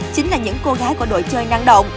chính là những cô gái của đội chơi năng động